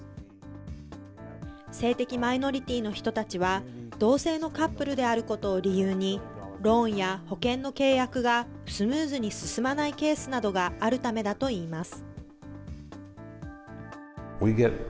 性的マイノリティーの人たちは、同性のカップルであることを理由に、ローンや保険の契約がスムーズに進まないケースなどがあるためだといいます。